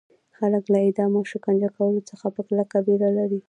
خلک له اعدام او شکنجه کولو څخه په کلکه ویره لري.